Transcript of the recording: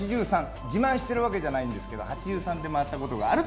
自慢してるわけじゃないんですけど、８３で回ったことがある。